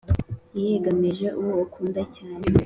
yiyegamije uwo akunda cyane